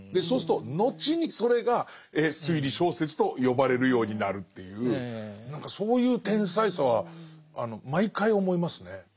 そうすると後にそれが推理小説と呼ばれるようになるっていう何かそういう天才さは毎回思いますね。